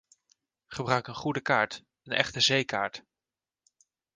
Gebruik een goede kaart, een echte zeekaart.